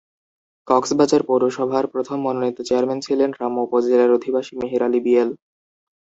কক্সবাজার পৌরসভার প্রথম মনোনীত চেয়ারম্যান ছিলেন রামু উপজেলার অধিবাসী মেহের আলী বিএল।